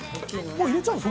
もう入れちゃうの？